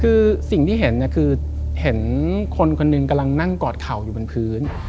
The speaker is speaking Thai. คือสิ่งที่เห็นคือเห็นคนคนหนึ่งกำลังนั่งกอดเข่าอยู่บนพื้น